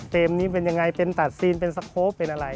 นี้เป็นยังไงเป็นตัดซีนเป็นสโคปเป็นอะไร